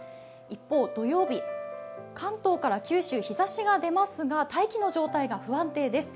一方、土曜日関東から九州、日ざしが出ますが大気の状態が不安定です。